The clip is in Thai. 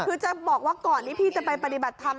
คือจะบอกว่าก่อนที่พี่จะไปปฏิบัติธรรม